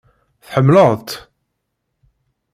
Tḥemmleḍ-tt?